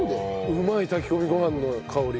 うまい炊き込みご飯の香り。